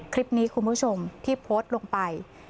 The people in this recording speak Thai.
คลิปนี้คุณผู้ชมที่โพสต์ลงไป